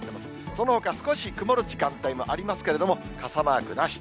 そのほか少し曇る時間帯もありますけれども、傘マークなし。